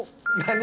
何？